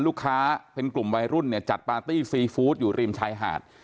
ลูกค้าเป็นกลุ่มวัยรุ่นเนี่ยจัดปาร์ตี้ซีฟู้ดอยู่ริมชายหาด